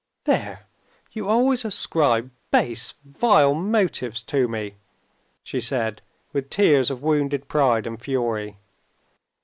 "There, you always ascribe base, vile motives to me," she said with tears of wounded pride and fury.